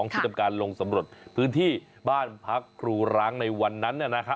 ที่ทำการลงสำรวจพื้นที่บ้านพักครูร้างในวันนั้น